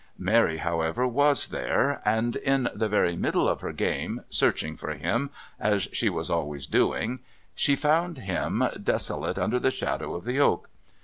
Mary, however, was there, and in the very middle of her game, searching for him, as she was always doing, she found him desolate under the shadow of the oak.